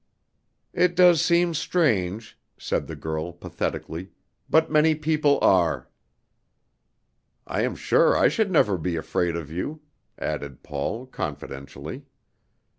"It does seem strange," said the girl, pathetically, "but many people are." "I am sure I should never be afraid of you," added Paul, confidentially.